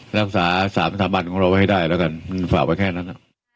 รักษาสามสถาบันของเราไว้ให้ได้แล้วกันฝากไว้แค่นั้น